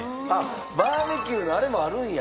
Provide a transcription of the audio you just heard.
バーベキューのあれもあるんや。